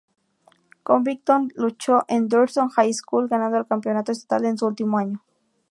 Covington luchó en Thurston High School, ganando el campeonato estatal en su último año.